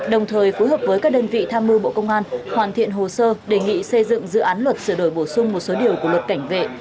đồng thời phối hợp với các đơn vị tham mưu bộ công an hoàn thiện hồ sơ đề nghị xây dựng dự án luật sửa đổi bổ sung một số điều của luật cảnh vệ